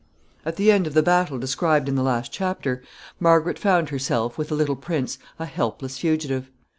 At the end of the battle described in the last chapter, Margaret found herself, with the little prince, a helpless fugitive.